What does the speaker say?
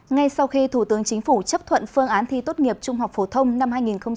ngay sau khi thủ tướng chính phủ chấp thuận phương án thi tốt nghiệp trung học phổ thông năm hai nghìn hai mươi